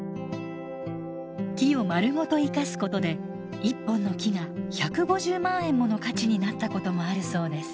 木をまるごと生かすことで１本の木が１５０万円もの価値になったこともあるそうです。